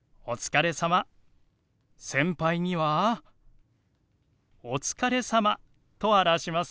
先輩には「おつかれさま」と表します。